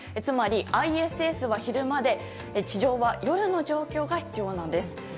つまりＩＳＳは昼間で地上は夜の状況が必要なんです。